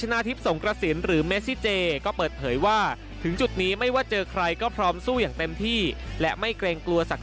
มันก็ยากหมดแหละรอบ๑๖ทีมแต่ว่า